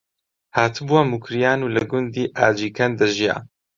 هاتبووە موکریان و لە گوندی ئاجیکەند دەژیا